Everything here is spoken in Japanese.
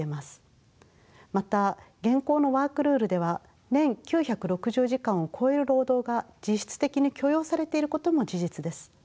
また現行のワークルールでは年９６０時間を超える労働が実質的に許容されていることも事実です。